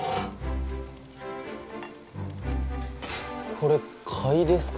これ貝ですか？